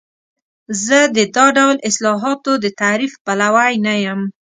زه د دا ډول اصطلاحاتو د تعریف پلوی نه یم.